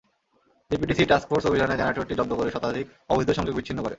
ডিপিডিসির task force অভিযানে জেনারেটরটি জব্দ করে শতাধিক অবৈধ সংযোগ বিচ্ছিন্ন করে।